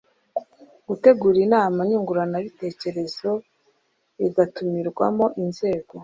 gutegura inama nyunguranabitekerezo igatumirwamo inzego